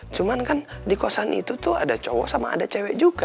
cuman kan di kosan itu tuh ada cowok sama ada cewek juga